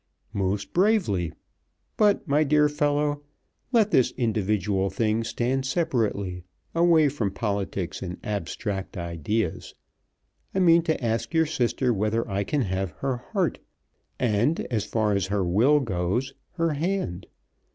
"Most bravely. But, my dear fellow, let this individual thing stand separately, away from politics and abstract ideas. I mean to ask your sister whether I can have her heart, and, as far as her will goes, her hand.